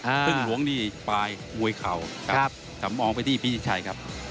พึ่งหลวงที่ปลายบวยเขามองไปที่พี่จิตชัยครับ